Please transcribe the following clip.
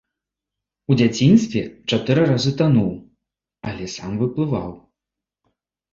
У дзяцінстве чатыры разы тануў, але сам выплываў.